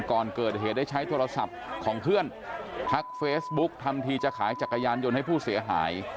ก่อนเกิดเหตุได้ใช้โทรศัพท์ของเพื่อนทักเฟซบุ๊กทำทีจะขายจักรยานยนต์ให้ผู้เสียหาย